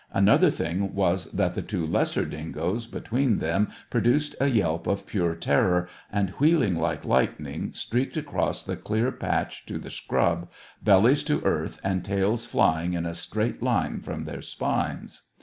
Another thing was that the two lesser dingoes between them produced a yelp of pure terror, and, wheeling like lightning, streaked across the clear patch to the scrub, bellies to earth, and tails flying in a straight line from their spines.